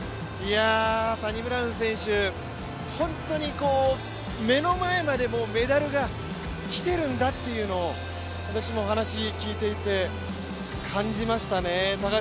サニブラウン選手、本当に目の前までメダルがきているんだというのを、私もお話聞いていて感じましたね。